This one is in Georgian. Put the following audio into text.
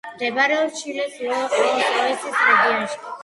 მდებარეობს ჩილეს ლოს-რიოსის რეგიონში.